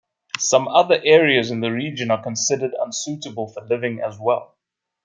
Some other areas in the region are considered unsuitable for living as well.